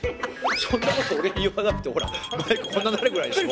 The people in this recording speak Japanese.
そんなこと俺に言わなくてもほらマイクこんなになるぐらいでしょ？